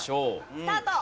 スタート！